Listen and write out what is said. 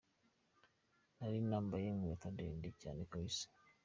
Nari nambaye inkweto ndende cyane kabisa….